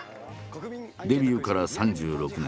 デビューから３６年。